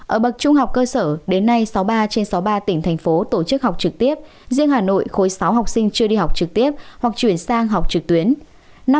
ở bậc trung học cơ sở đến nay sáu mươi ba trên sáu mươi ba tỉnh thành phố tổ chức học trực tiếp riêng hà nội khối sáu học sinh chưa đi học trực tiếp hoặc chuyển sang học trực tuyến